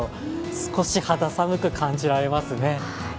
少し肌寒く感じられますね。